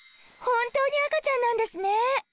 本当に赤ちゃんなんですね！